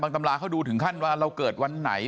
ตำราเขาดูถึงขั้นว่าเราเกิดวันไหน